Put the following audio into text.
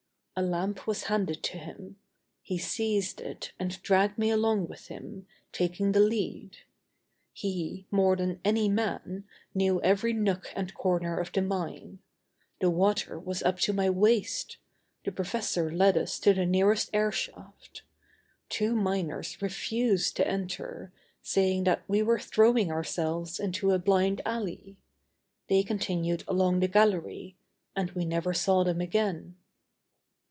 A lamp was handed to him. He seized it and dragged me along with him, taking the lead. He, more than any man, knew every nook and corner of the mine. The water was up to my waist. The professor led us to the nearest airshaft. Two miners refused to enter, saying that we were throwing ourselves into a blind alley. They continued along the gallery and we never saw them again.